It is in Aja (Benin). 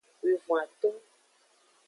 Wivon-aton.